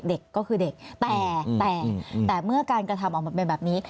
เด็กก็คือเด็กแต่แต่เมื่อการกระทำออกมาเป็นแบบนี้